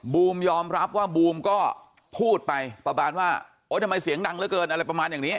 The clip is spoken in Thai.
บูมยอมรับว่าบูมก็พูดไปประมาณว่าโอ๊ยทำไมเสียงดังเหลือเกินอะไรประมาณอย่างนี้